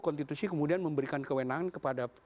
konstitusi kemudian memberikan kewenangan kepada